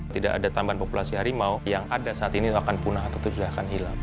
tidak ada tambahan populasi harimau yang ada saat ini akan punah atau tidak akan hilang